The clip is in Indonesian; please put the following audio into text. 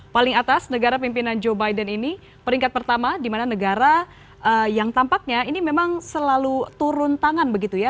paling atas negara pimpinan joe biden ini peringkat pertama di mana negara yang tampaknya ini memang selalu turun tangan begitu ya